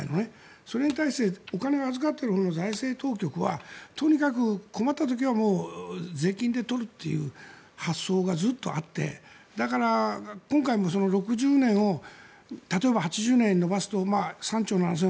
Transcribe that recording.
それに対してお金を預かっているほうの財政当局はとにかく困った時は税金で取るっていう発想がずっとあってだから今回も６０年を例えば８０年に延ばすと３兆７０００億。